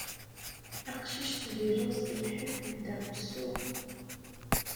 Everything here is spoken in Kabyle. Taqcict deg laẓ d lḥif d ddaɛwessu.